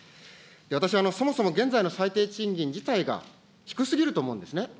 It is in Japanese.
私はそもそも現在の最低賃金自体が、低すぎると思うんですね。